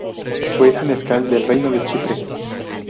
Fue senescal del reino de Chipre.